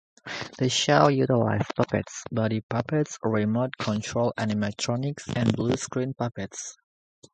The show utilized puppets, body puppets, remote-controlled animatronics and bluescreen puppets.